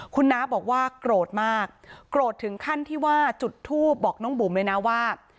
คุณน้าบอกว่าโกรธมากโกรธถึงขั้นที่ว่าจุดทูบบอกน้องบุ๋มเลยนะว่า